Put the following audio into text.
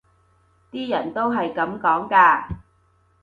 啲人都係噉講㗎